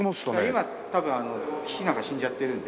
今多分ひなが死んじゃってるんで。